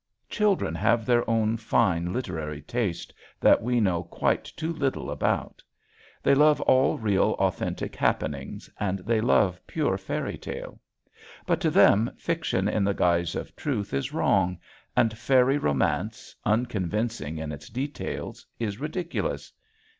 Children have their own fine literary taste that we know quite too little about. They love all real, authentic happenings, and they love pure fairy tale. But to them fiction in the guise of truth is wrong, and fairy romance, unconvincing in its details, is ridiculous.